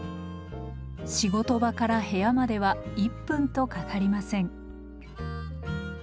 仕事場から部屋までは１分とかかりません。